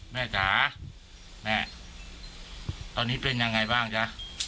จ๋าแม่ตอนนี้เป็นยังไงบ้างจ๊ะ